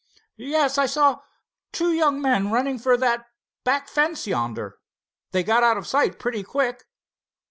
"Yes, I saw two young men running for that back fence yonder. They got out of sight pretty quick."